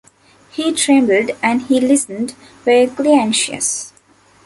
She trembled, and he listened, vaguely anxious.